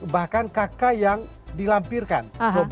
bahkan kk yang dilampirkan